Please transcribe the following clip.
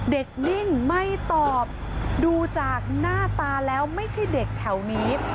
นิ่งไม่ตอบดูจากหน้าตาแล้วไม่ใช่เด็กแถวนี้